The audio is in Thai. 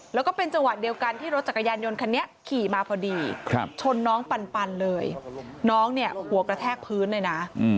แล้วก็เป็นจังหวะเดียวกันที่รถจักรยานยนต์คันนี้ขี่มาพอดีชนน้องปันเลยน้องเนี่ยหัวกระแทกพื้นเลยนะ